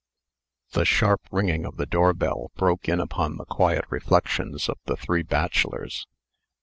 The sharp ringing of the doorbell broke in upon the quiet reflections of the three bachelors.